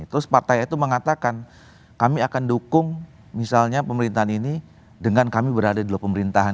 terus partai itu mengatakan kami akan dukung misalnya pemerintahan ini dengan kami berada di luar pemerintahan